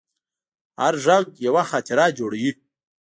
هر غږ یوه خاطره جوړوي.